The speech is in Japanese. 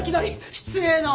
失礼な！